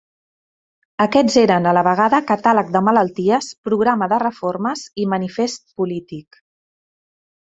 Aquests eren a la vegada catàleg de malalties, programa de reformes i manifest polític.